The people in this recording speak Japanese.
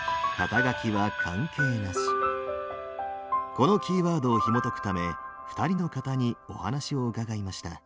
このキーワードをひもとくため２人の方にお話を伺いました。